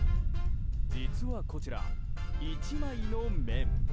実はこちら、１枚の麺。